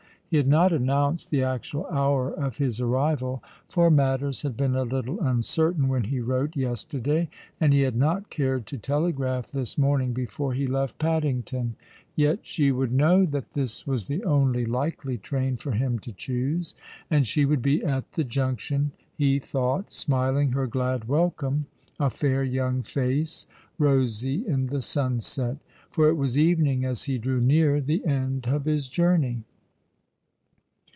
He had not announced the actual hour of his arrival, for matters had been a little uncertain when he wrote yesterday, and he had not cared to telegraph this morning before he left Paddington. Yet she would know "^ Love still htrning upward!^ 75 that this was the only likely train for him to choose ; and she "would be at the Junction, he thought, smiling her glad welcome, a fair young face, rosy in the sunset; for it was evening as he drew near the end of his journey.